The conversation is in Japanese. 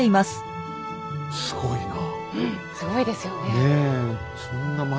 すごいな。